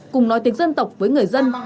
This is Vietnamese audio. cùng nói tiếng dân tộc với người dân